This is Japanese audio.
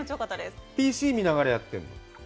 これ、ＰＣ見ながらやってるの？